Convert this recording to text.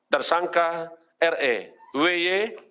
tersangka re wy